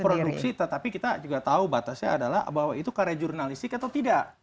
produksi tetapi kita juga tahu batasnya adalah bahwa itu karya jurnalistik atau tidak